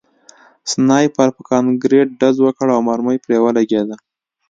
سنایپر په کانکریټ ډز وکړ او مرمۍ پرې ولګېده